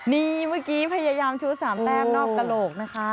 นี่เมื่อกี้พยายามชู้๓แต้มนอกกระโหลกนะคะ